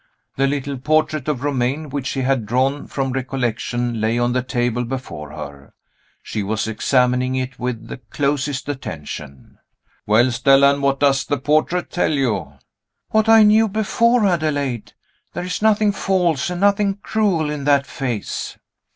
The little portrait of Romayne which she had drawn from recollection lay on the table before her. She was examining it with the closest attention. "Well, Stella, and what does the portrait tell you?" "What I knew before, Adelaide. There is nothing false and nothing cruel in that face."